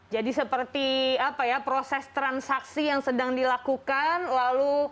jadi seperti apa ya proses transaksi yang sedang dilakukan lalu